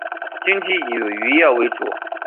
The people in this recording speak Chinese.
经济以渔业为主。